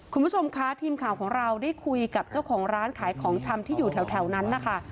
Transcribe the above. คุณผู้ชมคะทีมข่าวของเราได้คุยกับเจ้าของร้านขายของชำที่อยู่แถวนั้นนะคะ